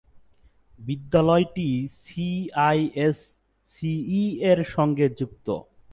বিদ্যালয়টি সিআইএসসিই-র সঙ্গে যুক্ত।